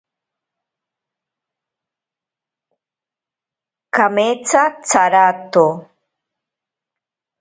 Kametsa tsarato.